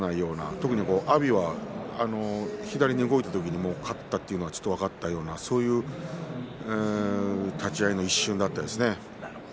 特に、阿炎は左に動いた時に勝ったというのが分かったようなそういう立ち合いの一瞬だったですね。